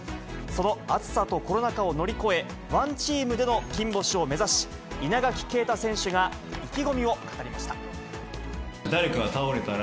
その暑さとコロナ禍を乗り越え、ワンチームでの金星を目指し、稲垣啓太選手が意気込みを語りました。